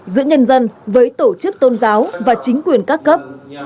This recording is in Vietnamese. giữa nhân dân với tổ chức tôn giáo và chính quyền các cấp